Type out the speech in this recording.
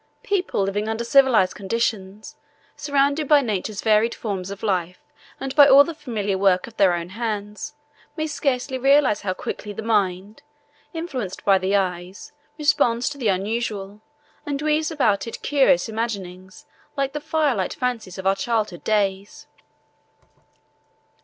People living under civilized conditions, surrounded by Nature's varied forms of life and by all the familiar work of their own hands, may scarcely realize how quickly the mind, influenced by the eyes, responds to the unusual and weaves about it curious imaginings like the firelight fancies of our childhood days.